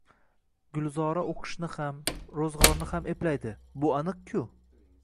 Gulzora o`qishni ham, ro`zg`orni ham eplaydi, bu aniq-ku